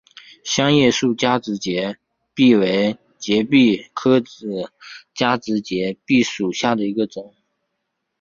香叶树加植节蜱为节蜱科子加植节蜱属下的一个种。